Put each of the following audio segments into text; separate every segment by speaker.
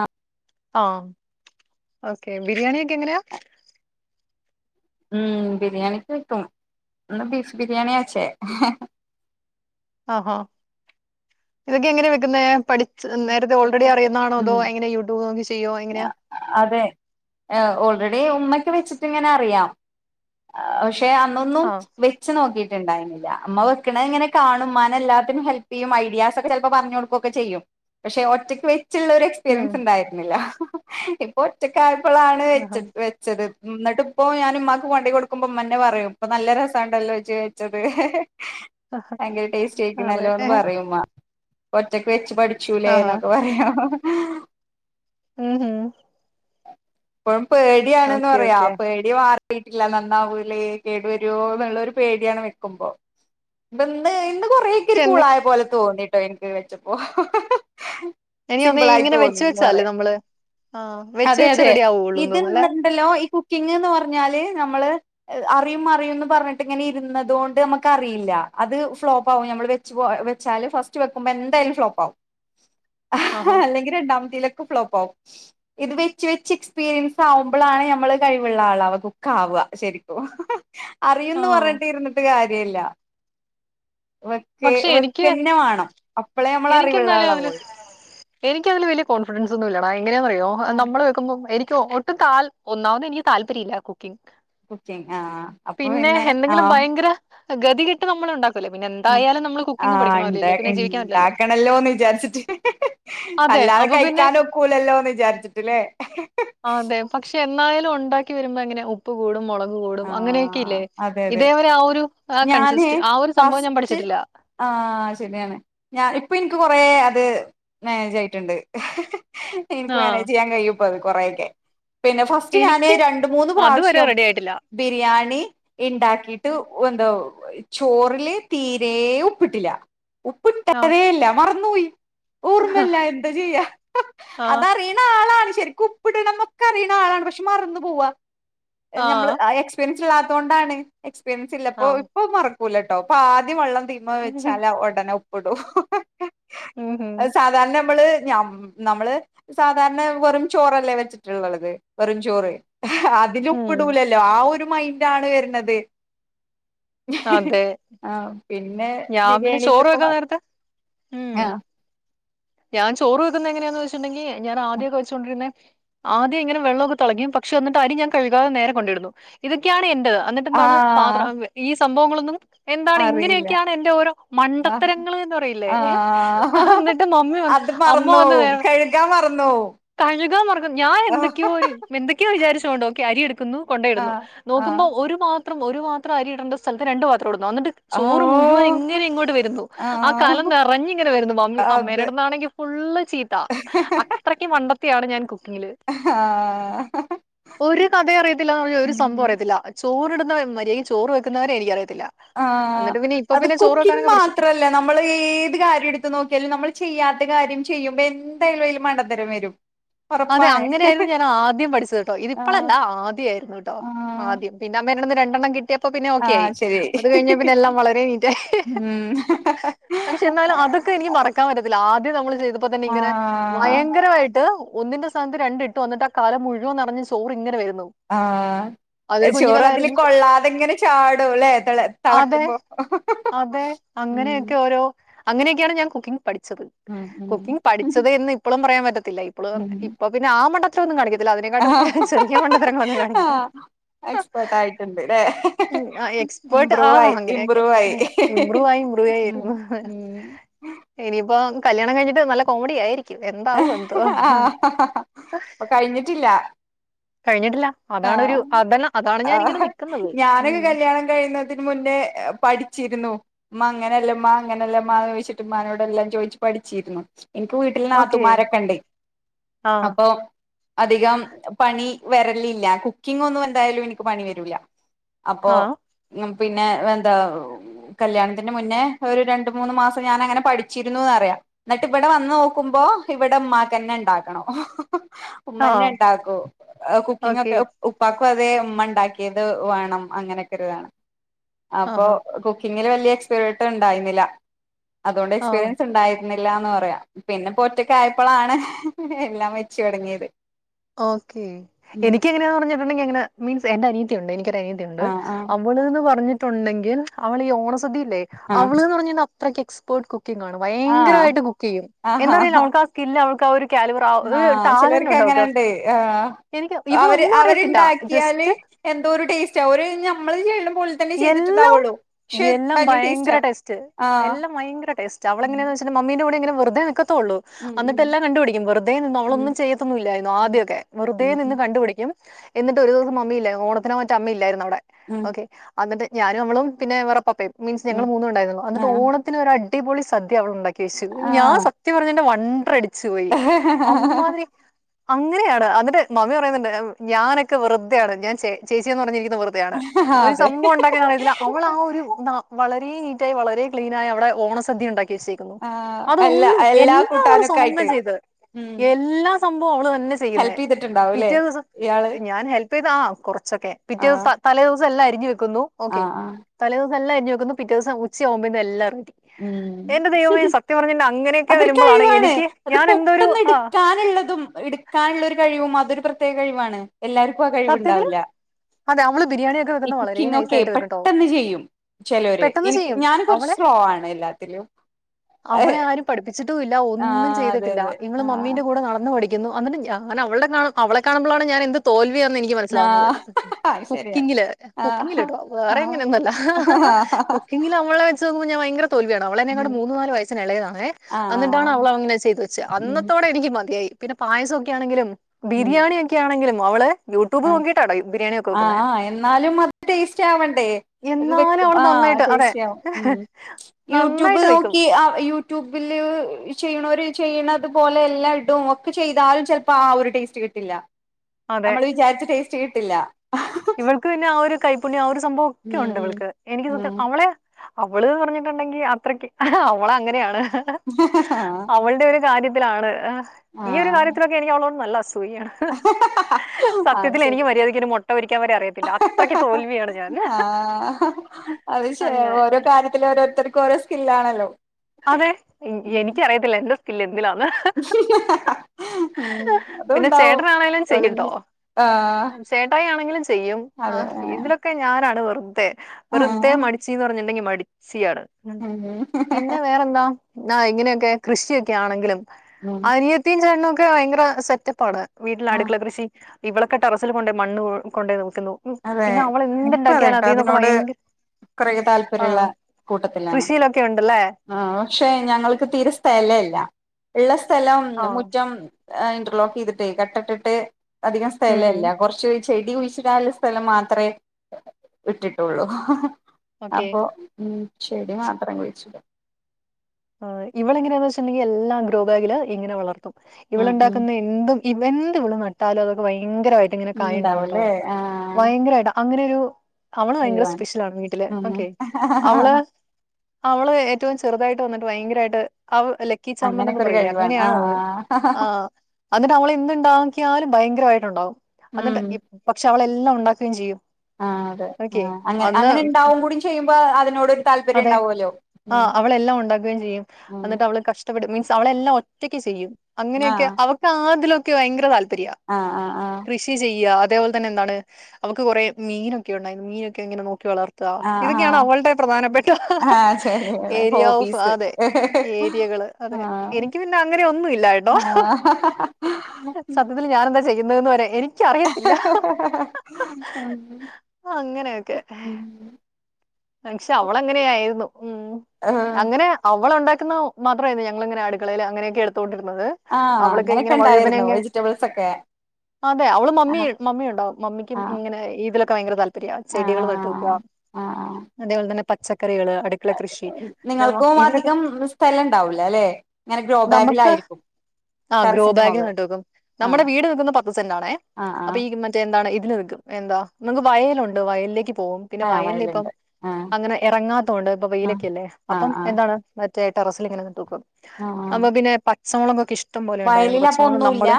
Speaker 1: ആഹ്
Speaker 2: ആം ഓക്കെ ബിരിയാണിക്കെ എങ്ങനെയാ
Speaker 1: ഉം ബിരിയാണിക്ക് വെക്കും ഇന്ന് ബീഫ് ബിരിയാണിയാ വെച്ചേ.
Speaker 2: ആഹാ ഇതൊക്കെ എങ്ങനെയാ വെക്കുന്നേ പഠി ച്ച് നേരത്തെ ഓൾറെഡി അറിയുന്നാണോ അതോ
Speaker 1: ഉം
Speaker 2: എങ്ങനെ യൂടൂബ് നോക്കി ചെയ്യോ എങ്ങനെയാ
Speaker 1: അതെ എ ഓൾറെഡി ഉമ്മക്ക് വെച്ചിട്ടിങ്ങനെ അറിയാം പക്ഷെ അന്നൊന്നും
Speaker 2: ആഹ്
Speaker 1: വെ ച്ചു നോക്കിട്ടുണ്ടായിരുന്നില്ല അമ്മ വെക്കണെങ്ങനെ കാണും. മ്മാനേ എല്ലാത്തിനും ഹെൽപ്പ് ചെയ്യും ഐഡിയാസ് ഒക്കെ ചെലപ്പോ പറഞ്ഞ് കൊടുക്കും ഒക്കെ ചെയ്യും പക്ഷെ ഒറ്റക്ക് വെയ് വെച്ചുള്ളൊരു
Speaker 2: ഉം
Speaker 1: എക്സ്പീരിയൻസ് ഉണ്ടായിരുന്നില്ല. ഇപ്പൊ ഒറ്റക്കായപ്പോഴാണ്
Speaker 2: ആഹാ
Speaker 1: വെച്ച് വെ ച്ചത്. എന്നിട്ടിപ്പൊ ഞാൻ ഉമ്മാക്ക് വേണ്ടി കൊണ്ട്കൊടുക്കുമ്പോ ഉമ്മന്നെ പറയും ഇപ്പൊ നല്ല രസൊണ്ടല്ലോ വെച്ച ച്ചത്
Speaker 2: ആഹാ
Speaker 1: ഭയങ്കര ടേസ്റ്റ്
Speaker 2: അതെ
Speaker 1: ആയിരിക്കണല്ലോന്ന്
Speaker 2: ഏഹ്.
Speaker 1: പറയുമ്മ ഒറ്റക്ക് വെച്ച് പഠി ച്ചുലേ
Speaker 2: ആഹാ
Speaker 1: എന്നൊക്കെ പറയും
Speaker 2: ങു ഹ്
Speaker 1: ഇപ്പം പേടിയാണന്ന്
Speaker 2: ഓക്കെ
Speaker 1: പറയും ആ
Speaker 2: ഓക്കെ
Speaker 1: പേ ടി മാറിയിട്ടില്ല നന്നാവൂലേ കേടുവെരുവോ എന്നുള്ളൊരു പേടിയാണ് വെക്കുമ്പോ ഇത് ഇന്ന് ഇന്ന് കൊറേക്കെരു
Speaker 2: പക്ഷെ എന്തൊ
Speaker 1: കുളായിപ്പോലെ തോന്നിട്ടോ എനിക്ക് വെച്ചപ്പോ
Speaker 2: ഇനി ഒന്നേ
Speaker 1: സിമ്പിളായി
Speaker 2: ഇങ്ങനെ വെച്ച്
Speaker 1: തോന്നിന്ന്
Speaker 2: വെച്ചാല്ലേ
Speaker 1: പറയാം
Speaker 2: നമ്മെള് ആ വെച്ച് വെച്ച് റെഡി ആവുള്ളു തോന്നുന്നു അല്ലേ
Speaker 1: ല്ലോ ഈ കുക്കിംഗിന്ന് പറഞ്ഞാലേ നമ്മെള് അറിയും അറിയൂന്ന് പറഞ്ഞിട്ട് ഇങ്ങനെ ഇരുന്നതു കൊണ്ട് നമ്മെക്കറിയില്ല അത് ഫ്ലോപ്പ് ആവും നമ്മെള് വെ ച്ച് വെച്ചാല് ഫസ്റ്റ് വെക്കുമ്പോൾ എന്തായാലും ഫ്ളോപ്പാകും.
Speaker 2: ആഹാ
Speaker 1: അല്ലെങ്കിൽ രണ്ടാമത്തിയിലൊക്കെ ഫ്ലോപ്പാവും. ഇത് വെച്ച് വെച്ച് എക്സ്പീരിയൻസ് ആവുമ്പേളാണ് ഞമ്മള് കഴിവുള്ള ആളാവുക കുക്കാവാ. ശരിക്കും അറിയൂന്ന്
Speaker 2: ആഹ്
Speaker 1: പറഞ്ഞിട്ട് ഇരുന്നിട്ട് കാര്യല്ല. വെക്കേ
Speaker 2: പക്ഷെ എനിക്ക്
Speaker 1: വെക്കേന്നെവാണം. അപ്പളേ നമ്മൾ അറിവുള്ള ആളാവൊള്ളൂ.
Speaker 2: എനിക്ക് അതില് വെല്യാ കോൺഫിഡൻസ് ഒന്നും ഇല്ലടാ. എങ്ങനെയാെന്നറിയുമോ നമ്മള്. ഒന്നും എനിക്ക് ഓട്ടും താൽ ഒന്നാമത് എനിക്ക് താല്പര്യമില്ല കുക്കിങ്.
Speaker 1: കുക്കിങ് ആ അപ്പൊ
Speaker 2: പിന്നെ
Speaker 1: ആ
Speaker 2: എന്തെങ്കിലും ഭയങ്കര ഗതി കെട്ട് നമ്മള് ഉണ്ടാക്കല്ലേ പിന്നെ
Speaker 1: ഉം
Speaker 2: എന്തായാലും നമ്മൾ
Speaker 1: ആ
Speaker 2: കുക്കിംഗ് പഠിക്കണമല്ലോ പിന്നെ ജീവിക്കാൻ പറ്റില്ലല്ലോ
Speaker 1: ഇണ്ടാക്കണല്ലോന്ന് വിചാരിച്ചിട്ട്.
Speaker 2: അതെ
Speaker 1: അല്ലാതെ
Speaker 2: അപ്പൊ പിന്നെ
Speaker 1: കഴിക്കനൊക്കൂല്ലോന്ന് വിചാരിച്ചിട്ടല്ലേ.
Speaker 2: അതെ പക്ഷെ എന്നായാലും ഒണ്ടാക്കി വെരുമ്പോ എങ്ങനെ ഓ ഉപ്പ് കൂടും, മുളക് കൂടും
Speaker 1: ആ
Speaker 2: അങ്ങനെയൊക്കെയില്ലേ.
Speaker 1: അതെ അതെ
Speaker 2: ഇതേവെരെ ആ ഒരു കൺസിസ്റ്റ് ആ ഒരു സംഭവം ഞാൻ പഠി ച്ചിട്ടില്ല.
Speaker 1: ആ ശരിയാണ്. ഞാൻ ഇപ്പൊ ഇനിക്ക് കൊറെ അത് മാനേജായിട്ടൊണ്ട്. എനിക്ക്
Speaker 2: ആ
Speaker 1: മാനേജ് ചെയ്യാൻ കഴിയും പ്പത് കൊറെഒക്കെ. പിന്നെ ഫസ്റ്റ് ഞാന്
Speaker 2: എനിക്ക്
Speaker 1: രണ്ട് മൂന്ന്
Speaker 2: അതുവരെ
Speaker 1: പ്രാശം.
Speaker 2: റെഡി ആയിട്ടില്ല
Speaker 1: ബിരിയാണി ഇണ്ടാക്കിട്ട്
Speaker 2: ഉം.
Speaker 1: ഒന്തോ ചോറില് തീരെ ഉപ്പിട്ടില്ല.
Speaker 2: ആ
Speaker 1: ഉപ്പിട്ടതേയില്ല മറന്നുപോയി. ഓർമ്മില്ല എന്താ ചെയ്യാ,
Speaker 2: ആ
Speaker 1: അതറിയണ ആളാണ് ശരിക്കും. ഉപ്പിടണം ഒക്കെ അറിയുന്ന ആളാണ് പക്ഷെ മറന്നു പോവാ.
Speaker 2: ആ
Speaker 1: നമ്മള് എക്സ്പീരിയൻസ് ഇല്ലാത്ത കൊണ്ടാണെ. എക്സ്പീരിയൻസ് ഇല്ല
Speaker 2: ആ
Speaker 1: ഇപ്പൊ ഇപ്പ മറക്കൂല കേട്ടോ ഇപ്പൊ ആദ്യം വെള്ളം തീമിൽ വെച്ചാ ഉടനെ ഉപ്പിടും.
Speaker 2: ഉ ഉം ഹും
Speaker 1: സാധാരണ നമ്മള് ഞ നമ്മള് സാധാരണ വെറും ചോറല്ലേ വെച്ചിട്ടുള്ളത് വെറും ചോറ്. അതില്
Speaker 2: ഉം
Speaker 1: ഉപ്പിടൂലല്ലോ ആ ഒരു മൈൻഡ് ആണ് വരുന്നത്.
Speaker 2: അതെ
Speaker 1: ആഹ് പിന്നെ
Speaker 2: ഞാൻ പിന്നെ ചോറ്
Speaker 1: ബിരിയാണിക്കൊക്കെ
Speaker 2: വെക്കാൻ നേരത്തെ ഉം
Speaker 1: ആഹ്.
Speaker 2: ഞാൻ ചേറ് വെക്കുന്നത് എങ്ങനെയാണെങ്കി ഞാൻ ആദ്യാക്കെ വച്ചുക്കൊണ്ടിരുന്നെ. ആദ്യം ഇങ്ങനെ വെള്ളമക്കെ തിളക്കും. പക്ഷേ എന്നിട്ട് അരി ഞാൻ കഴുക്കാതെ നേരെ കൊണ്ട് ഇടുന്നു. ഇതൊക്കെയാണ് എന്റെത്. എന്നിട്ട് എന്താണ് പാത്ര
Speaker 1: ആഹ്
Speaker 2: ഈ സംഭവങ്ങളൊന്നും. എന്താണ്
Speaker 1: അറിയില്ല
Speaker 2: ഇങ്ങനെയൊക്കെയാണ് എൻറെ ഓരോ
Speaker 1: ആ
Speaker 2: മണ്ടത്തരങ്ങൾ എന്ന് പറയില്ലേ.
Speaker 1: ആ
Speaker 2: മമ്മി വ
Speaker 1: അത്
Speaker 2: അമ്മ വന്ന്
Speaker 1: മറന്നോവും
Speaker 2: വേഗം
Speaker 1: കഴുകാൻ മറന്നോവും
Speaker 2: കഴുകാൻ നടക്കും. ഞാൻ എന്തൊക്കെയോ എന്തൊക്കെയോ വിചാരിച്ചോണ്ട് ഓക്കെ അരി എടുക്കുന്നു
Speaker 1: ആ
Speaker 2: കൊണ്ടെയിടുന്നു.
Speaker 1: ആ
Speaker 2: നോക്കുമ്പോ ഒരു പാ ഒരു പാത്രം അരിയിടണ്ട സ്ഥലത്ത് രണ്ട് പാത്രം ഇടുന്നു അന്നിട്ട്.
Speaker 1: ആ
Speaker 2: ചോറ് മുഴുവൻ
Speaker 1: ഓ
Speaker 2: ഇങ്ങനെ ഇങ്ങോട്ട് വരുന്നു. ആ
Speaker 1: ആഹ്
Speaker 2: കലം നിറഞ്ഞിങ്ങനെ വരുന്നു മമ്മി. അമ്മേടെ
Speaker 1: അതെ
Speaker 2: അടുത്തിന്നാണെങ്കിൽ ഫുള്ള് ചീത്ത അത്രക്കും മണ്ടത്തിയാണ് ഞാൻ കുക്കിങ്ങില്
Speaker 1: ആഹ്.
Speaker 2: ഒരു കഥ അറിയത്തില്ല, ഒരു
Speaker 1: ഉം
Speaker 2: സംഭവം അറിയത്തില്ല. ചോറിടുന്ന മര്യാദ് ചോറ് വെക്കുന്നവരെ എനിക്ക് അറിയത്തില്ല.
Speaker 1: ആഹ് അത് കുക്കിംഗ്
Speaker 2: പഠിച്ചു.
Speaker 1: മാത്രല്ല. നമ്മള് ഏത് കാര്യം എടുത്ത് നോക്കിയാലും, നമ്മൾ ചെയ്യാത്ത കാര്യം ചെയ്യുമ്പോ എന്തായാലും അതിൽ മണ്ടത്തരം വരും.
Speaker 2: അതെ
Speaker 1: ഒറപ്പാണ്
Speaker 2: അങ്ങനെയായിരുന്നു ഞാൻ ആദ്യം പഠിച്ചത് കേട്ടോ. ഇത്
Speaker 1: ആഹ്
Speaker 2: ഇപ്പോഴല്ല, ആദ്യമായിരുന്നു കേട്ടോ
Speaker 1: ആഹ്
Speaker 2: ആദ്യം. പിന്നെ അമ്മേടടുത്തുന്ന് രണ്ടെണ്ണം കിട്ടിയ അപ്പൊ പിന്നെ ഓക്കെ ആയി.
Speaker 1: ആഹ് ശരിയായി
Speaker 2: അത് കഴിഞ്ഞ പിന്നെ എല്ലാം വളരെ നീറ്റായി.
Speaker 1: ഉം
Speaker 2: പക്ഷെ എന്നാലും അതൊക്കെ എനിക്ക് മറക്കാൻ പറ്റത്തില്ല. ആദ്യം നമ്മള് ചെയ്തപ്പോ തന്നെ ഇങ്ങനെ
Speaker 1: ആഹ്
Speaker 2: ഭയങ്കരമായിട്ട് ഒന്നിന്റെ സ്ഥാനത്ത് രണ്ടിട്ട് അന്നിട്ട് കലം മുഴുവൻ നിറഞ്ഞ് ചോറ് ഇങ്ങനെ വരുന്നു.
Speaker 1: ആഹ്.
Speaker 2: അതൊരു കുഞ്ഞു
Speaker 1: ചോറ് അതില്
Speaker 2: കലായിരുന്നു.
Speaker 1: കൊള്ളാതിങ്ങനെ ചാടും അല്ലേ
Speaker 2: അതെ
Speaker 1: തിളക്കുമ്പോ.
Speaker 2: അതെ അങ്ങനെയൊക്കെ. ഓരോ അങ്ങനെയൊക്കെയാണ് ഞാൻ കുക്കിംഗ് പഠിച്ചത്.
Speaker 1: ഉം
Speaker 2: കുക്കിംഗ്
Speaker 1: ഉം
Speaker 2: പഠിച്ചത് എന്ന് ഇപ്പോളും പറയാൻ പറ്റത്തില്ല. ഇപ്പോളും
Speaker 1: ഉം
Speaker 2: ഇപ്പൊ പിന്നെ ആ മണ്ടത്തരം ഒന്നും കാണിക്കത്തില്ല. അതിനെക്കാട്ടും
Speaker 1: ആഹ്
Speaker 2: ചെറിയ മണ്ടതരങ്ങളൊക്കെ കാണിക്ക.
Speaker 1: ആഹ് എക്സ്പേർട്ട് ആയിട്ടുണ്ട് ഇല്ലേ
Speaker 2: ആഹ്
Speaker 1: ഇംപ്രൂ ആയി ഇംപ്രൂ ആയി.
Speaker 2: ഇംപ്രൂ ആയി ഇംപ്രൂ
Speaker 1: ഉം
Speaker 2: ആയിരുന്നു
Speaker 1: ഉം
Speaker 2: ഇനിയിപ്പ കല്യാണം കഴിഞ്ഞിട്ട് നല്ല കോമഡി ആയി.
Speaker 1: ആ അപ്പൊ കഴിഞ്ഞിട്ടില്ല
Speaker 2: കഴിഞ്ഞിട്ടില്ല അതാണൊരു
Speaker 1: ആഹ്
Speaker 2: അതന്നെ അതാണ് ഞാനിങ്ങനെ നിക്കുന്നത് ഉ
Speaker 1: കഴിയുന്നതിനു മുന്നേ പഠിച്ചിരുന്നു. മ അങ്ങനെല്ല മാ അങ്ങനെല്ല മാ എന്ന് ചോദിച്ചിട്ട് ഉമ്മനോട് എല്ലാം ചോദിച്ച് പഠിച്ചിരുന്നു. എനിക്ക് വീട്ടിൽ
Speaker 2: ഓക്കെ
Speaker 1: നാത്തുമാരൊക്കെ ഉണ്ട്
Speaker 2: ആഹ്
Speaker 1: അപ്പൊ അധികം പണി വരലില്ല കുക്കിംഗ് ഒന്നും എന്തായാലും എനിക്ക് പണി വരൂല അപ്പൊ
Speaker 2: ആഹ്
Speaker 1: ഉം പിന്നെ എന്താ കല്യാണത്തിന്റെ മുന്നേ ഒരു രണ്ട് മൂന്ന് മാസം ഞാൻ അങ്ങനെ പഠിച്ചിരുന്നു എന്നറിയാം. എന്നിട്ട് ഇവിടെ വന്നു നോക്കുമ്പോ ഇവിടെ ഉമ്മാക്ക് തന്നെ ഉണ്ടാക്കണോ ഉമ്മന്നെ
Speaker 2: ആഹ്
Speaker 1: ഉണ്ടാക്കോ കുക്കിംഗ്
Speaker 2: ഓക്കെ
Speaker 1: ഒക്കെ. ഉപ്പാക്കും അതേ ഉന്മ ഉണ്ടാക്കിയത് വേണം അങ്ങനെയൊക്കെ ഒരുതാണ് അപ്പൊ
Speaker 2: ആഹാ
Speaker 1: കു ഇങ്ങനെ വലിയ എക്സ്പിരിഡ് ഉണ്ടായിരുന്നില്ല. അതുകൊണ്ട്
Speaker 2: ആഹ്
Speaker 1: എക്സ്പീരിയൻസ് ഉണ്ട ല്ലന്ന് പറയാ പിന്നെ ഒറ്റക്ക് ആയപ്പോളാണ് എല്ലാം വെച്ച് തുടങ്ങിയത്.
Speaker 2: ഓക്കേ എനിക്ക്‌ എങ്ങനെയാ പറഞ്ഞിട്ടുണ്ടെങ്കിൽങ്ങനെ മീൻസ് എന്റെ അനിയത്തി ഉണ്ട് എനിക്കൊര് അനിത്തി ഉണ്ട്
Speaker 1: ആഹ് ആഹ്
Speaker 2: അ അവള്ന്ന് പറഞ്ഞിട്ടുണ്ടെങ്കിൽ അവള് ഈ ഓണസദ്യായില്ലേ അവള്ന്ന് പറഞ്ഞ അത്രക്ക് എക്സ്പർട് കുക്ക് കുക്കിംഗ് ആണ്
Speaker 1: ആഹ്
Speaker 2: ഭയങ്കരമായിട്ട് കുക്ക് ചെയ്യും
Speaker 1: ആഹ്
Speaker 2: എന്താറില്ല
Speaker 1: ആഹ്
Speaker 2: അവള്ക്ക് ആ സ്കിൽ അവള്ക്ക് ഒരു കാലിബർ ആ ഒരു
Speaker 1: ആഹ്
Speaker 2: ടാലന്റ്
Speaker 1: ചിലർക്ക്
Speaker 2: ഉണ്ട് അവൾക്ക്
Speaker 1: അങ്ങനെയുണ്ട് ആ
Speaker 2: എനിക്ക്
Speaker 1: അവര്
Speaker 2: ഇവളൊന്നും അറിയത്തില്ല ജസ്റ്റ്
Speaker 1: അവരുണ്ടാക്കിയാല് എന്തോ ഒരു ടേസ്റ്റ് ആ ഒരു ഞമ്മള് ചെള്ള്മ്പോള്
Speaker 2: എല്ലാം എല്ലാം ഭയങ്കര
Speaker 1: ടേസ്റ്റാ
Speaker 2: ടേസ്റ്റ്
Speaker 1: ആഹ്
Speaker 2: എല്ലാം ഭയങ്കര ടേസ്റ്റാ അവള്
Speaker 1: ഉം
Speaker 2: എങ്ങനെയത് പിന്നെ മമ്മിന്റെ കുടെ ഇങ്ങനെ വെറുതെ നിക്കത്തൊളു
Speaker 1: ഉം
Speaker 2: അന്നിട്ട്
Speaker 1: ഉം
Speaker 2: എല്ലാം കണ്ടു പിടിക്കും. വെറുതെ നിന്നും
Speaker 1: ഉം
Speaker 2: അവളൊന്നും ചെയ്യത്തൊന്നും ഇല്ലായിരുന്നു. ആദ്യമൊക്കെ വെറുതെ
Speaker 1: ഉം
Speaker 2: നിന്ന് കണ്ടുപിടിക്കും. എന്നിട്ട് ഒരു ദിവസം മമ്മി ഇല്ല. ഓണത്തിന് മറ്റേ അമ്മ ഇല്ലായിരുന്നു അവിടെ
Speaker 1: ഉം ഉം
Speaker 2: ഓക്കെ അന്നട്ട് ഞാനും അവളും പിന്നെ വെറെപപ്പയും മീൻസ് ഞങ്ങള്
Speaker 1: ഉം
Speaker 2: മൂന്നുംണ്ടായിരുന്നു അന്നട്ട്
Speaker 1: ആഹ്
Speaker 2: ഓണം ത്തിന് ഒരു അടിപൊളി സദ്യാഅവള് ഉണ്ടാക്കി വെച്ചു ഞാൻ
Speaker 1: ആഹ്
Speaker 2: സത്യം പറഞ്ഞാ എന്റെ വണ്ടർടി ച്ചു പോയ് അമാതിരി അങ്ങനെയാണ് അന്നിട്ട് മമ്മി പറയുന്നുണ്ട് മ് ഞാനൊക്കെ വെറുതെയാണ് ഞാൻ ചേ ചേച്ചിന്ന് പറഞ്ഞിരിക്കുന്ന വെറുതെയാണ്
Speaker 1: ഹ ഹാ
Speaker 2: ഒരു സംഭവം ഉണ്ടാക്കാൻ അറിയത്തില്ല അവളാ ആ ഒരു വളരെ നീറ്റായി വളരെ ക്ലീനായി അവിടെ ഓണസദ്യ ഉണ്ടാക്കി വെച്ചേ തൊന്നും
Speaker 1: ആഹ് എല്ലാ
Speaker 2: അതൊന്നും
Speaker 1: എല്ലാ
Speaker 2: എല്ലാം അവള്
Speaker 1: കൂട്ടാനൊക്കെ
Speaker 2: സ്വന്തം
Speaker 1: ആയിട്ട്
Speaker 2: ചെയ്ത്
Speaker 1: ഉം
Speaker 2: എല്ലാ സംഭവം അവള് തന്നെ ചെ ചെയ്ന്നെ
Speaker 1: ഹെൽപ് ചെയ്തിട്ടുണ്ടാവുംല്ലേ
Speaker 2: പിറ്റേ ദിവസം
Speaker 1: ഇയാള്
Speaker 2: ഞാൻ ഹെൽപ് ചെയ്ത ആ കൊറച്ചൊക്കെ പിറ്റേ ദിവസ
Speaker 1: ആഹ്
Speaker 2: തലേദിവസം എല്ലാം അരിഞ്ഞ് വെക്കുന്നു ഓക്കെ
Speaker 1: ആഹ് ആഹ്
Speaker 2: തലേ ദിവസം എല്ലാം അരിഞ്ഞ് വെക്കുന്നു പിറ്റേ ദിവസം ഉച്ചയാകുമ്പോ എല്ലാം റെഡി എന്റെ ദൈവമെ
Speaker 1: ഉം
Speaker 2: സത്യം പറഞ്ഞാ നങ്ങനെ
Speaker 1: അതൊരു കഴിവാണ് അത് പെട്ടെന്ന്
Speaker 2: ആ
Speaker 1: എടുക്കാനുള്ളതും എടു കാനുള്ളൊരു കഴിവും അതൊരു പ്രത്യേക കഴിവാണ് എല്ലാർക്കും ആ
Speaker 2: സത്യത്തിൽ
Speaker 1: കഴിവുണ്ടാവില്ല
Speaker 2: അതെ അവള് ബിരിയാണിയൊക്കെ
Speaker 1: ഈ
Speaker 2: വെക്കുന്നത് വളരെ
Speaker 1: കുക്കിംഗ് ഒക്കെ
Speaker 2: നൈസായിട്ട് വെക്കുംട്ടോ
Speaker 1: പെട്ടെന്ന് ചെയ്യും ചെലര്
Speaker 2: പെട്ടെന്ന്
Speaker 1: എനിക്ക്
Speaker 2: ചെയ്യും
Speaker 1: ഞാനും കുറച്ച്
Speaker 2: അവളെ
Speaker 1: സ്ലോ ആണ് എല്ലാത്തിലും
Speaker 2: അവളെ ആരും പഠിപ്പിച്ചിട്ടും ഇല്ല
Speaker 1: ആ
Speaker 2: ഒന്നും
Speaker 1: അതെ
Speaker 2: ചെയ്തിട്ടില്ല
Speaker 1: അതെ
Speaker 2: ഇങ്ങള്
Speaker 1: ആ
Speaker 2: മമ്മീന്റെ കൂടെ നടന്ന് പഠി ക്കുന്നു അന്നിട്ട് ഞാൻ അവള്ടെ കാണു അവളെ കാണുമ്പോളാണ് ഞാൻ എന്ത് തോൽവിയാ ക്ക്
Speaker 1: ആ
Speaker 2: മനസിലാവുന്നത്
Speaker 1: അത് ശരിയാണ്
Speaker 2: കുക്കിങ്ങ്ല്
Speaker 1: ആ
Speaker 2: കുക്കിങ്ങ്ല് കേട്ടോ
Speaker 1: ആ
Speaker 2: വേറെങ്ങനെ ഒന്നുംമല്ല ഹ ഹ ഹ കു കുക്കിങ്ങ്ല് അവളെ വെച്ച്നോക്കുമ്പോ ഞാൻ ഭയങ്ക തോൽവിയാണ് അവളെന്നെക്കാള്
Speaker 1: ഉം
Speaker 2: മൂന്ന് നാല് വസ്സിന് ഇളയതാണെ
Speaker 1: ആ
Speaker 2: അന്നിട്ടാണ് അവള് അങ്ങനെ ചെയ്തു വച്ച
Speaker 1: ഉം
Speaker 2: അന്നത്തോടെ എനിക്ക് മതിയായി പിന്നെ പായസൊക്കെയാണെങ്കിലും
Speaker 1: ഉം
Speaker 2: ബിരിയാണി ഒക്കെ ആണെങ്കിലും അവള് യൂട്യൂബ്
Speaker 1: ആ
Speaker 2: നോക്കിയിട്ടാട്ടോ ബിരിയാണി ഒക്കെ
Speaker 1: ആ
Speaker 2: വെക്കുന്നത്
Speaker 1: എന്നാലും അത് ടേസ്റ്റ് ആവേണ്ടേ അത്
Speaker 2: എന്നാലും
Speaker 1: വെക്കും
Speaker 2: അവള്
Speaker 1: ആ
Speaker 2: നന്നായിട്ട് അതെ
Speaker 1: ടെസ്റ്റാവും ഉം യൂട്യൂബ്
Speaker 2: നന്നായിട്ട് വെക്കും.
Speaker 1: നോക്കി യ യു ട്യൂബില് ചെയ്യണവര് ചെയ്യണതുപോലെ എല്ലാം ഇടും ഒക്കെ ചെയ്താലും ചെലപ്പോൾ ആ ഒരു ടേസ്റ്റ് കിട്ട് ട്ടില്ലാ
Speaker 2: അതെ.
Speaker 1: നമ്മള് വിചാരിച്ച ടേസ്റ്റ് കിട്ടില്ല
Speaker 2: ഇവൾക്ക് പിന്നെ ആ ഒരു കൈപ്പുണ്യം ആ ഒരു സംഭവം ഒക്കെ
Speaker 1: ഉം
Speaker 2: ഉണ്ട്
Speaker 1: ഉം
Speaker 2: ഇവൾക്ക് എനിക്ക് സത്യം
Speaker 1: ഉം
Speaker 2: അവളെ അവള്ന്ന് പറഞ്ഞിട്ടുണ്ടെങ്കി അത്രക് അവളങ്ങനെയാണ് അവളുടെ ഒരു കാര്യത്തിലാണ് ആഹ് ഈ ഒരു
Speaker 1: ആഹ്
Speaker 2: കാര്യത്തിലൊക്കെ എനിക്ക് അവളോട് നല്ലസു വയ്യ
Speaker 1: അത്
Speaker 2: സത്യത്തില് എനിക്ക്
Speaker 1: ശരി
Speaker 2: മര്യാതയ്ക്ക്‌ ഒരു മൊ ട്ടരിക്കാൻ വരെ അറിയത്തില്ല അത്രക്ക് തോൽവിയാണ് ഞാൻ
Speaker 1: ആഹ്
Speaker 2: അങ്ങനെ
Speaker 1: പിന്നെ ഓരോരുതർക്കും ഓരോ സ്കില്ലാണല്ലോ
Speaker 2: അതെ
Speaker 1: ഉം
Speaker 2: എനിക്കറിയത്തില്ല എന്റെ സ്കില് എന്തിലാന്ന്
Speaker 1: [inaudible]
Speaker 2: പിന്നെ
Speaker 1: അതുണ്ടാവും
Speaker 2: ചേട്ടനാണെലും ചെയ്യുണ്ടോ
Speaker 1: ഒളിഞ്ഞ് ആഹ്
Speaker 2: ചേട്ടായി ആണെങ്കിലും ചെയ്യും
Speaker 1: അതെ
Speaker 2: ആ്ഹ് ഇതിലൊ ക്കെ ഞാനാണ് വെറുതെ വെറുതെ
Speaker 1: ആഹ്
Speaker 2: മടിച്ചീന്ന് പറഞ്ഞ്ണ്ടെങ്കിൽ മടിച്ചിയാണ്
Speaker 1: ഉം ഉം
Speaker 2: പിന്നെ വേറെന്താ നാ ഇങ്ങനെയൊക്കെ കൃഷിയൊക്കെ ആണെങ്കിലും
Speaker 1: ഉം
Speaker 2: അനിയ ത്തിയും ചേട്ടന് ഒക്കെ ഭയങ്കര സെറ്റപ്പ് ആണ് വീട്ടില്
Speaker 1: ആഹ്
Speaker 2: അടുക്കള കൃഷി ഇവളൊക്കെ ടെറസല് കൊണ്ടേ മണ്ണ് കൊ കൊണ്ടേ നോക്കുന്നു
Speaker 1: അതെ
Speaker 2: പിന്നെ
Speaker 1: എനിക്കും
Speaker 2: അവളെന്തുണ്ടാക്കിയാലും
Speaker 1: അതെട്ടോ
Speaker 2: അതിൽന്നൊക്കെ
Speaker 1: അതിനോട്
Speaker 2: ഭയങ്കര
Speaker 1: കുറേ താല്പര്യള്ള
Speaker 2: ആഹ്
Speaker 1: കൂട്ടത്തിലാണ്
Speaker 2: കൃഷിയിലൊക്കെ ഉണ്ടല്ലേ
Speaker 1: ആഹ് പക്ഷെ ഞങ്ങൾക്ക് തീരെ സ്ഥലയില്ല ഉള്ള സ്ഥലം
Speaker 2: ആ
Speaker 1: മുറ്റം ഇന്റർലോക്ക് ചെയ്തിട്ട് കട്ടട്ടിട്ട് അധികം
Speaker 2: ഉം ഉം.
Speaker 1: സ്ഥലവില്ലാ കുറച്ച് ചെടി കുഴിച്ച് കല് സ്ഥലം മാത്രമേ വിട്ടിട്ടൊള്ളൂ
Speaker 2: ഓക്കെ
Speaker 1: അപ്പൊ ഉം ചെടി മാത്രം കുഴിച്ചിടും
Speaker 2: ആ ഇവളെങ്ങനെയാന്ന് വെച്ചിട്ടുണ്ടെങ്കിൽ എല്ലാം ഗ്രോബാഗില് ഇങ്ങനെ വളർത്തും ഇവൾ
Speaker 1: ഉം ഉം
Speaker 2: ഉണ്ടാക്കുന്ന എന്തും ഇവ എന്ത് ഇവൾ നട്ടാലും അതൊക്കെ ഭയങ്കരമായിട്ട് ഇങ്ങനെ
Speaker 1: ഉം
Speaker 2: കായണ്ടാവുട്ടൊ
Speaker 1: ഉണ്ടാവുംല്ലേ ആഹ്
Speaker 2: ഭയങ്കരമായിട്ട് അങ്ങനെയൊരു അവള് ഭയങ്കര
Speaker 1: കഴിവാണ്
Speaker 2: സ്പെഷ്യൽ ആണ് വീട്ടില്
Speaker 1: ഉം
Speaker 2: ഓക്കെ അവള് അവള് ഏറ്റവും ചെറുതായിട്ട് വന്നിട്ട് ഭയങ്കരമായിട്ട് അവ ലെ ക്കി ചാമ്പിയർ എന്നൊക്കെ
Speaker 1: അങ്ങനൊക്കെ ഒരു
Speaker 2: പറയില്ലെ
Speaker 1: കഴിവാണ്
Speaker 2: അങ്ങനെയാണ് അവള്
Speaker 1: ആഹ്
Speaker 2: ആഹ് എന്നിട്ട് അവളെന്ത് ഉണ്ടാക്കിയാലും ഭയങ്കരമായിട്ട് ഉണ്ടാവും എന്നിട്ട്
Speaker 1: ഉം
Speaker 2: പക്ഷെ അവളെല്ലാം ഉണ്ടാക്കുകയും ചെയ്യും
Speaker 1: ആഹ് അതെ
Speaker 2: ഓക്കെ
Speaker 1: ആഹ് അങ്ങനെ
Speaker 2: അന്ന്
Speaker 1: അങ്ങനെ ഉണ്ടാവും കൂടിയും ചെയ്യുമ്പോൾ അതിനോടൊരു താല്പര്യം
Speaker 2: അതെ
Speaker 1: ഉണ്ടാവല്ലോ
Speaker 2: ആഹ് അവളെല്ലാം ഉണ്ടാ ക്കുകയും ചെയ്യും എന്നിട്ട് അവൾ കഷ്ടപ്പെട്ട് മീൻസ് അവളെല്ലാം ഒറ്റക്ക് ചെയ്യും
Speaker 1: ആ
Speaker 2: അങ്ങനെയൊക്കെ അവ ക്കാതിലൊക്കെ ഭയങ്കര താല്പര്യാ
Speaker 1: ആഹ് ആഹ് ആഹ്
Speaker 2: കൃഷി ചെയ്യ അതേപോലെ തന്നെന്താണ് അവക്ക് കുറെ മീനൊക്കെ ഉണ്ടായിന്നു മീനൊക്കെ ഇങ്ങനെ നോക്കി വളർ ത്ത
Speaker 1: ആ
Speaker 2: ഇതൊക്കെയാണ് അവളുടെ പ്രധാനപ്പെട്ട
Speaker 1: ആ ആ ചെടികള്
Speaker 2: ഏരിയ ഓഫ് ഫ്
Speaker 1: ഹോബീസ്
Speaker 2: അതെ ഏരിയകള്
Speaker 1: ആ
Speaker 2: അതെ എനിക്ക് പിന്നെ അങ്ങനെ ഒന്നും ഇല്ലാട്ടോ
Speaker 1: ആ ആ
Speaker 2: സത്യത്തിൽ ഞാനെന്താ ചെയ്യുന്നതന്ന് വരെ എനിക്ക് എനിക്കറിയത്തില്ല അങ്ങനെയൊക്കെ പക്ഷെ അവളങ്ങനെയായിരുന്നു ഉം അങ്ങനെ അവൾ ഉണ്ടാക്കുന്ന മാത്രേരുന്നു ഞങ്ങൾങ്ങനെ അടുക്കളേൽ അങ്ങനെയൊക്കെ എടുത്തോണ്ടിരുന്നത്
Speaker 1: ആഹ്
Speaker 2: അവളൊക്കെ
Speaker 1: അങ്ങനെക്കെ
Speaker 2: ഇങ്ങനെ
Speaker 1: ഉണ്ടായിരുന്നു
Speaker 2: വഴുതനങ്ങ
Speaker 1: വെജിറ്റബിൾസൊക്കെ
Speaker 2: അതെ അവളും മമ്മി മമ്മിയുണ്ടാവും മമ്മിക്കും
Speaker 1: ആ
Speaker 2: ഇങ്ങനെ ഇതിലൊക്കെ ഭയങ്കര താല്പര്യാ ചെടികൾ നട്ടു വെക്ക
Speaker 1: ആഹ് ആഹ്
Speaker 2: അതേപോലെ തന്നെ പക്കറികള് അ
Speaker 1: നിങ്ങൾക്കും അധികം സ്ഥലംണ്ടാവൂല ല്ലെ ഇങ്ങനെ ഗ്രോബാഗിലായിരിക്കും
Speaker 2: ആഉ ഗ്രോബാഗിൽ നട്ട് വെക്കും
Speaker 1: ആ
Speaker 2: നമ്മുടെ വീട് നിക്കുന്നത് പത്ത് സെന്റാണേ
Speaker 1: ആഹ്
Speaker 2: അപ്പൊ
Speaker 1: ആഹ്
Speaker 2: ഈ മറ്റെ എന്താണ് ഇതിൽ നിൽക്കും എന്താ നമുക്ക് വയലുണ്ട് വയലിലേക്ക് പോകും
Speaker 1: ആഹ് വയലുണ്ട് ആഹ്
Speaker 2: ഇറങ്ങാത്തത് കൊണ്ട് ഇപ്പൊ
Speaker 1: ആഹ്
Speaker 2: വെയിലൊക്കെല്ലേ അപ്പം
Speaker 1: ആഹ് ആഹ്
Speaker 2: എന്താണ് മറ്റേ ടെറസിൽ ഇങ്ങനെ നട്ടു വെക്കും
Speaker 1: ആഹ്
Speaker 2: നമ്മക്ക്‌ പിന്നെ പച്ചമുളകൊക്കെ ഇഷ്ടം പോലെ ഉണ്ടായിരുന്നു
Speaker 1: വയലിൽ അപ്പൊ
Speaker 2: പച്ചമുളക്
Speaker 1: ഒന്നുല്ല
Speaker 2: നമ്മള്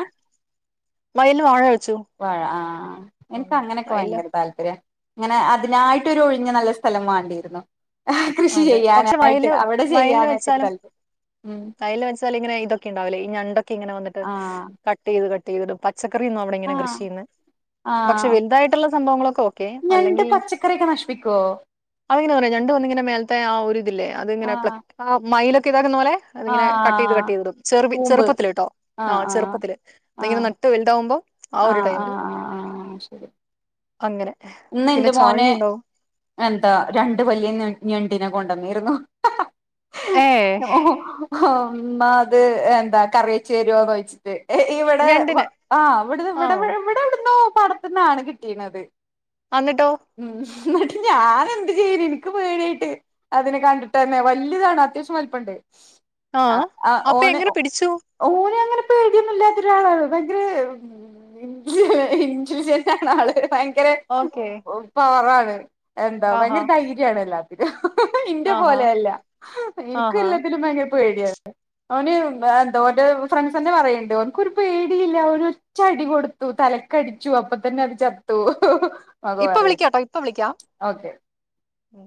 Speaker 2: വയലിൽ വാഴ വെച്ചു
Speaker 1: വഴ ആഹ്
Speaker 2: ആ
Speaker 1: എനിക്ക് അങ്ങനെയൊക്കെ
Speaker 2: വയലില്
Speaker 1: ഭയങ്കര താല്പര്യാ അങ്ങനെ അതിനായിട്ട് ഒരു ഒഴിഞ്ഞ നല്ല സ്ഥലം വാണ്ടിയിരുന്നു കൃഷി
Speaker 2: അതെ പക്ഷെ
Speaker 1: ചെയ്യാനായിട്ട്
Speaker 2: വയലില്
Speaker 1: അവിടെ ചെയ്യാനൊക്കെ ണ്ടല്ലോ
Speaker 2: വയൽ വെച്ചാൽ ഇങ്ങനെ ഇതൊക്കെ ഉണ്ടാവില്ലേ ഈ ഞണ്ടൊക്കെ ഇങ്ങെനെ വന്നിട്ട്
Speaker 1: ആഹ്
Speaker 2: കട്ട് ചെയ്ത് കട്ട് ചെയ്തിടും പച്ചക്കറിയൊന്നും അവിടെ ഇങ്ങനെ കൃഷി
Speaker 1: ആഹ്
Speaker 2: ചെയ്യുന്നെ പക്ഷെ
Speaker 1: ആഹ്
Speaker 2: വലുതായിട്ടുള്ള സംഭവങ്ങളൊക്കെ ക്കെ
Speaker 1: ഞണ്ട്
Speaker 2: അല്ലെങ്കി
Speaker 1: പച്ചക്കറിയൊക്കെ നശിപ്പിക്കോ
Speaker 2: ആദ്യം ഇങ്ങനെ പറിം ഞണ്ട് വന്ന് മേലത്തെ ആ ഒരു ഇതില്ലേ അത്ങ്ങനെ പ്ല
Speaker 1: ആഹ്
Speaker 2: മൈലൊക്കെ ഇതാക്കുന്ന പോലെ അതിങ്ങനെ കട്ട് ചെയ്ത്
Speaker 1: ആഹ്
Speaker 2: കട്ട് ചെയ്തിടും ചെറു പി
Speaker 1: കൂമ്പ്
Speaker 2: ചെറുപ്പത്തിൽ കേട്ടോ ആ
Speaker 1: ആഹ് ആഹ്
Speaker 2: ചെറുപ്പത്തില് അതിങ്ങനെ
Speaker 1: ആഹ്
Speaker 2: നട്ടു ട്ട് വലുതാവുമ്പോ ആ ഒരു
Speaker 1: ആഹ്
Speaker 2: ടൈമില്
Speaker 1: ആഹ് ആ ആഹ് ആ ശരി
Speaker 2: അങ്ങനെ
Speaker 1: ഇന്ന്
Speaker 2: പിന്നെ
Speaker 1: എന്റെ മോൻ
Speaker 2: ചാഴി ഉണ്ടാവും
Speaker 1: എന്താ രണ്ടു വല്യ ഞെ ഞെണ്ടിനെ കൊണ്ടന്നിരുന്നു
Speaker 2: ഏ
Speaker 1: ഓ ഉമ്മ ഇത് എന്താ കറി വച്ച് താരോന്ന് ചോയ്ച്ചു ഇവിടെ വ
Speaker 2: ഞണ്ടിന്
Speaker 1: ആ ഇവിട്ന്ന്
Speaker 2: ആ
Speaker 1: ഇവിടെ ഇവിടെ ഇവിടെട്ന്നൊ പടത്തിന്നാണ് കിട്ടീയിണത്
Speaker 2: അന്നിട്ടോ
Speaker 1: ഉം എന്നിട്ട് ഞാൻ എന്ത് ചെയ്യ്ണ് എനിക്ക് പേടിയായിട്ട് അതിനെ കണ്ടിട്ട് തന്നെ വലിയതാണ് അത്യാവശ്യം വല്പ്പണ്ട് ആ
Speaker 2: അപ്പൊ
Speaker 1: ഓൻ
Speaker 2: എങ്ങനെ പിടിച്ചു
Speaker 1: ഓൻ അങ്ങനെ പേടിയൊന്നുംല്ലാത്ത ഒരാളാണ് ഭയങ്കര ഇൻസുൻാണ് ആള് ഭയങ്കര,
Speaker 2: ഓക്കെ
Speaker 1: പവറാണ് എന്താ
Speaker 2: ആഹാ
Speaker 1: ഭയങ്കര ധൈര്യണല്ലാ, ഇന്റെ
Speaker 2: ആഹാ
Speaker 1: പോലെയല്ല എനിക്കു
Speaker 2: ആഹാ
Speaker 1: എല്ലാത്തിനും ഭയങ്കര പേടിയാണ്, ഓന് ന്തോ ഓന്റെ ഫ്രണ്ട്സ്ന്നെ പറയണ്ട് ഓൻക്കൊരു പേടിയില്ല ഓന് ഒറ്റടി കൊടു ത്തു തലക്കടിച്ചു അപ്പൊ തന്നെ അത് ചത്തു ന്നൊക്കെ
Speaker 2: ഇപ്പൊ
Speaker 1: പറയുന്നു
Speaker 2: വിളിക്കാട്ടോ ഇപ്പൊ വിളിക്കാം
Speaker 1: ഓക്കെ
Speaker 2: ഉം.